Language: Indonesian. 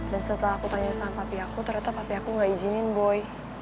dan setelah aku tanya sama papi aku ternyata papi aku gak izinin boy